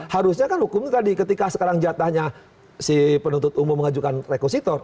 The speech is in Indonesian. harusnya kan hukumnya tadi ketika sekarang jatahnya si penuntut umum mengajukan rekositor